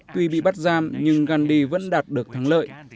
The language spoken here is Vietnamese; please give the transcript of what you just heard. tuy bị bắt giam nhưng gandhi vẫn đạt được thắng lợi